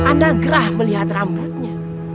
ana gerah melihat rambutnya